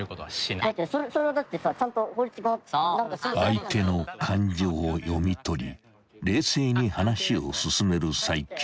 ［相手の感情を読み取り冷静に話を進める齋木］